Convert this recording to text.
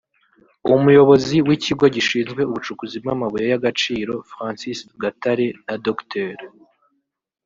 Umuyobozi w’Ikigo gishinzwe Ubucukuzi bw’amabuye y’Agaciro Francis Gatare na Dr